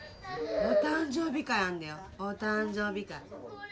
お誕生日会あんだよお誕生日会。